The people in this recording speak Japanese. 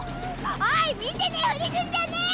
おい見てねぇふりすんじゃねぇ！